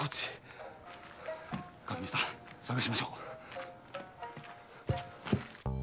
垣見さん捜しましょう。